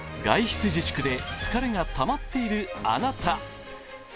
外出自粛で疲れでたまっているあなた。